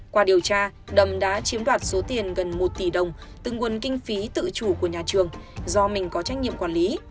qua điều tra đầm đã chiếm đoạt số tiền gần một tỷ đồng từ nguồn kinh phí tự chủ của nhà trường do mình có trách nhiệm quản lý